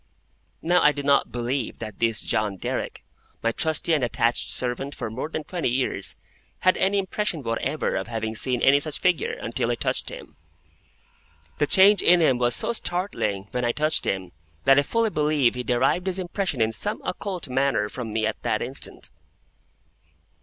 Now I do not believe that this John Derrick, my trusty and attached servant for more than twenty years, had any impression whatever of having seen any such figure, until I touched him. The change in him was so startling, when I touched him, that I fully believe he derived his impression in some occult manner from me at that instant.